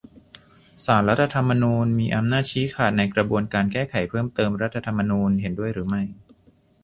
ศาลรัฐธรรมนูญมีอำนาจชี้ขาดในกระบวนการแก้ไขเพิ่มเติมรัฐธรรมนูญ เห็นด้วยหรือไม่ ?